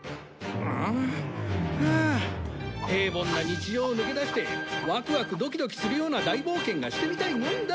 ああ平凡な日常を抜け出してワクワクドキドキするような大冒険がしてみたいもんだ。